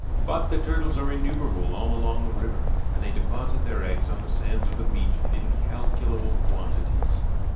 But the turtles are innumerable all along the river, and they deposit their eggs on the sands of the beach in incalculable quantities.